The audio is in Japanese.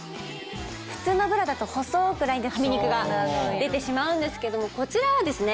普通のブラだと細くラインでハミ肉が出てしまうんですけどもこちらはですね